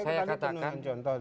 saya tadi penuhi contohnya